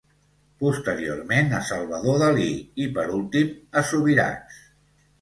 Posteriorment a Salvador Dalí i, per últim, a Subirachs.